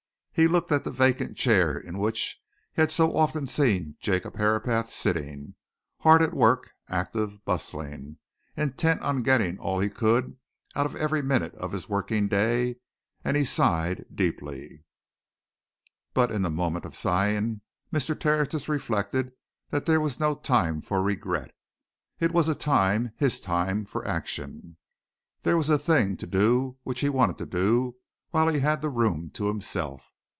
He looked at the vacant chair in which he had so often seen Jacob Herapath sitting, hard at work, active, bustling, intent on getting all he could out of every minute of his working day, and he sighed deeply. But in the moment of sighing Mr. Tertius reflected that there was no time for regret. It was a time his time for action; there was a thing to do which he wanted to do while he had the room to himself.